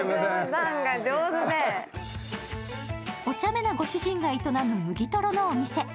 おちゃめなご主人が営む麦とろのお店。